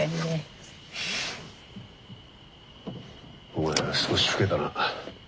お前は少し老けたな。